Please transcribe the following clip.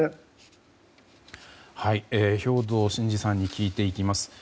兵頭慎治さんに聞いていきます。